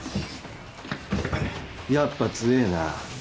やっぱ強えな